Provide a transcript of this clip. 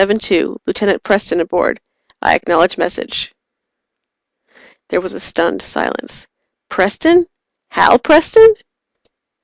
Then: "Postal Ship 1872, Lieutenant Preston aboard. I acknowledge message." There was a stunned silence. "Preston? Hal Preston?"